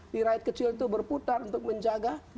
di rakyat kecil itu berputar untuk menjaga